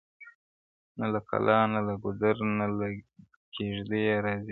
نه له کلا- نه له ګودر- نه له کېږدیه راځي-